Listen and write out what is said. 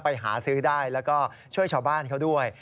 ไปหาซื้อได้แล้วก็ช่วยชาวบ้านเขาด้วย